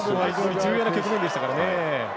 重要な局面でしたからね。